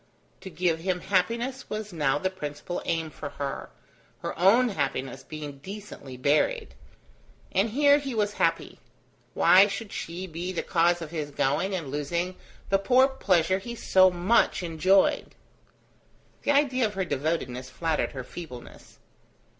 To give him happiness was now the principal aim for her, her own happiness being decently buried; and here he was happy: why should she be the cause of his going and losing the poor pleasure he so much enjoyed? The idea of her devotedness flattered her feebleness.